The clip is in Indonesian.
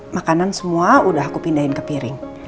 makanan semua udah aku pindahin ke piring